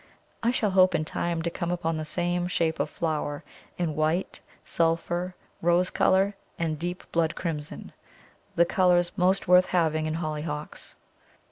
I shall hope in time to come upon the same shape of flower in white, sulphur, rose colour, and deep blood crimson, the colours most worth having in Hollyhocks.